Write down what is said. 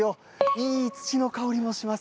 いい土の香りもします。